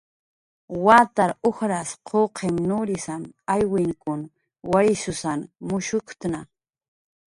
Watar ujras quqim nurisn aywinkun wayrkshusan mushuktna